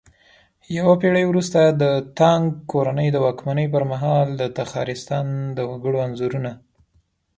يوه پېړۍ وروسته د تانگ کورنۍ د واکمنۍ پرمهال د تخارستان د وگړو انځورونه